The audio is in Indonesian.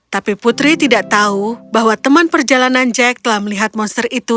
tapi putri tidak tahu bahwa teman perjalanan jack telah melihat monster itu